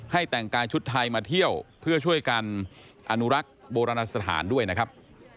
แต่งกายชุดไทยมาเที่ยวเพื่อช่วยกันอนุรักษ์โบราณสถานด้วยนะครับ